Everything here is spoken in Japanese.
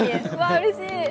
うれしい。